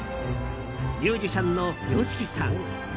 ミュージシャンのＹＯＳＨＩＫＩさん。